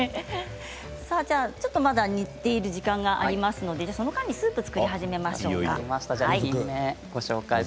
まだ煮ている時間がありますので、その間にスープを作り始めましょうか。